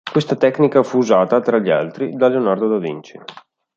Questa tecnica fu usata, tra gli altri, da Leonardo da Vinci.